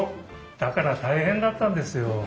だから大変だったんですよ。